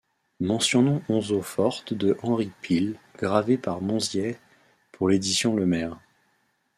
Mentionnons onze eaux-fortes de Henri Pille gravées par Monziès pour l’édition Lemerre.